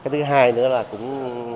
thứ hai nữa là cũng